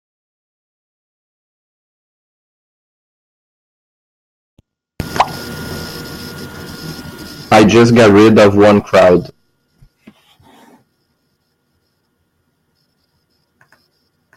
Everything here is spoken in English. I just got rid of one crowd.